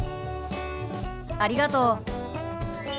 ありがとう。